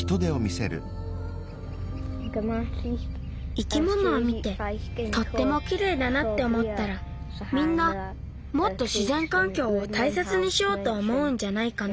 生き物を見てとってもきれいだなっておもったらみんなもっとしぜんかんきょうをたいせつにしようとおもうんじゃないかな。